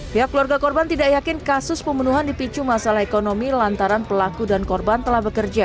pihak keluarga korban tidak yakin kasus pembunuhan dipicu masalah ekonomi lantaran pelaku dan korban telah bekerja